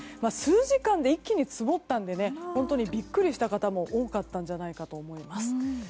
数時間で一気に積もったので本当にビックリした方も多かったんじゃないかと思います。